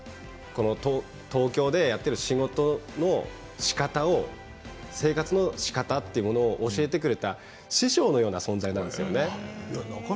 東京でやっている仕事のしかた生活のしかたというものを教えてくれた師匠のような存在なんですよね。